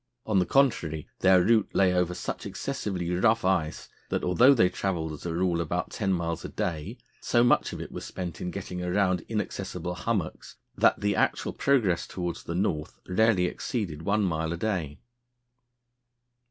On the contrary, their route lay over such excessively rough ice that although they travelled as a rule about ten miles a day, so much of it was spent in getting round inaccessible hummocks, that the actual progress towards the North rarely exceeded one mile a day.